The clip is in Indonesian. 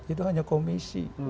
itu hanya komisi